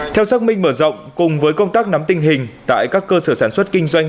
theo xác minh mở rộng cùng với công tác nắm tình hình tại các cơ sở sản xuất kinh doanh